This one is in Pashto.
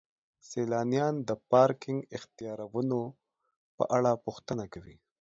سیلانیان د پارکینګ اختیارونو په اړه پوښتنه کوي.